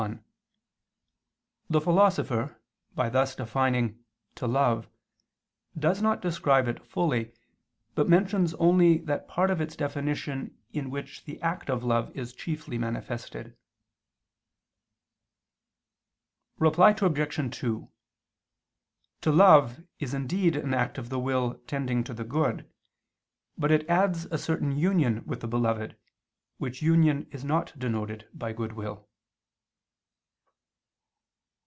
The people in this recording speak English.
1: The Philosopher, by thus defining "to love," does not describe it fully, but mentions only that part of its definition in which the act of love is chiefly manifested. Reply Obj. 2: To love is indeed an act of the will tending to the good, but it adds a certain union with the beloved, which union is not denoted by goodwill.